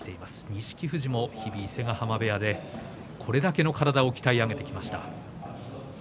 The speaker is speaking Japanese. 錦富士も伊勢ヶ濱部屋でこれだけの体を鍛え上げてきました。